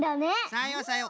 さようさよう。